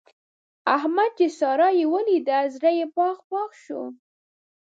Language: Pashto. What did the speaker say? احمد چې سارا وليده؛ زړه يې باغ باغ شو.